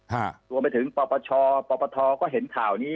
รวมไปถึงปปชปปทก็เห็นข่าวนี้